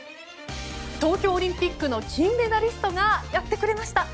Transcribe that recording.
東京オリンピックの金メダリストがやってくれました。